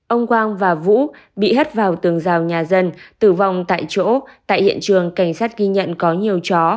ông quang và vũ bị hất vào tường rào nhà dân tử vong tại chỗ tại hiện trường cảnh sát ghi nhận có nhiều chó